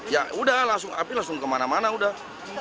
ya udah langsung api langsung kemana mana udah